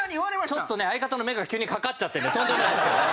ちょっとね相方の目が急にかかっちゃってるんでとんでもないですけどね